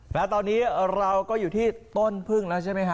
แล้วตอนนี้เราก็อยู่ที่ต้นพึ่งแล้วใช่ไหมฮะ